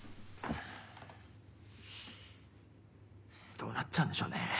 どうなっちゃうんでしょうね？